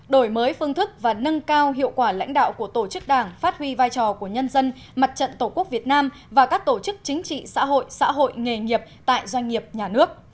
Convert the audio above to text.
đổi mới phương thức và nâng cao hiệu quả lãnh đạo của tổ chức đảng phát huy vai trò của nhân dân mặt trận tổ quốc việt nam và các tổ chức chính trị xã hội xã hội nghề nghiệp tại doanh nghiệp nhà nước